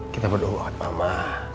kita berdoa buat mama